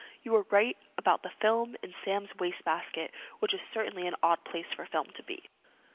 You were right about the film in Sam's wastebasket, which is certainly an odd place for film to be."